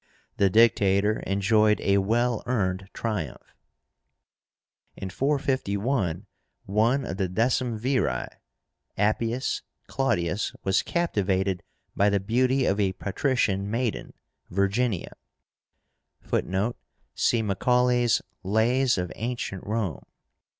The Dictator enjoyed a well earned triumph. In 451 one of the Decemviri, APPIUS CLAUDIUS, was captivated by the beauty of a patrician maiden, VIRGINIA, (Footnote: See Macaulay's "Lays of Ancient Rome.")